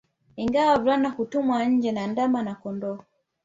Ingawa wavulana hutumwa nje na ndama na kondooo